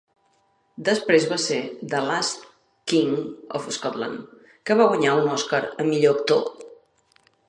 Després va ser "The Last King of Scotland", que va guanyar un Oscar a millor actor.